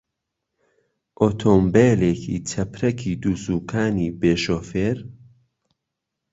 ئۆتۆمبێلێکی چەپرەکی دووسوکانی بێ شۆفێر؟